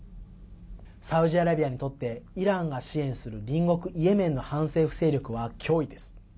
サウジアラビアにとってイランが支援する隣国イエメンの反政府勢力は脅威です。